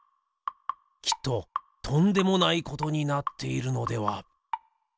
きっととんでもないことになっているのでは？